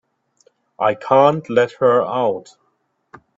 I can't let her out.